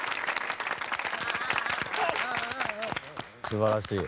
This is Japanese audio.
すばらしい。